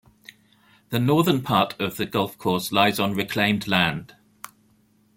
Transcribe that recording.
The northern part of the golf course lies on reclaimed land.